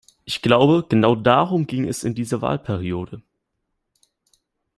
Ich glaube, genau darum ging es in dieser Wahlperiode.